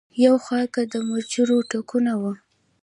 يو خوا کۀ د مچرو ټکونه وو